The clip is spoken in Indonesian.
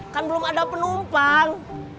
kan belum ada penumpang